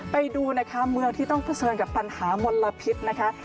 ไปดูนะคะเมืองที่ต้องเผชิญกับปัญหามลพิษนะคะ